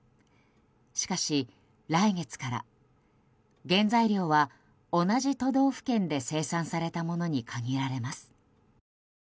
しかし、来月から原材料は同じ都道府県で生産されたものに限られます。